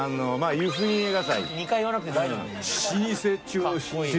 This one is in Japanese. ２回言わなくて大丈夫なんで。